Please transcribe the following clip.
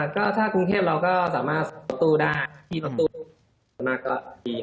ก็ถ้ากรุงเทพฯเราก็สามารถส่งตู้ได้ที่ส่งตู้สามารถก็ดีครับ